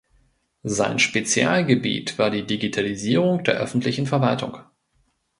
Sein Spezialgebiet war die Digitalisierung der öffentlichen Verwaltung.